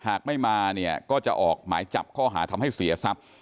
หากไม่มาเนี่ยก็จะออกหมายจับข้อหาทำให้เสียทรัพย์